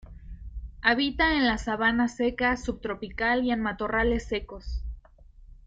Habita en la sabana seca, subtropical y en matorrales secos.